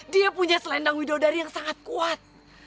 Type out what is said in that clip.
dia punya selendang widodari yang sangat kuat